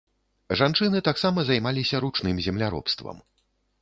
Жанчыны таксама займаліся ручным земляробствам.